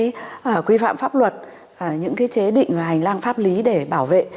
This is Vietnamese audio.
những cái quy phạm pháp luật những cái chế định và hành lang pháp lý để bảo vệ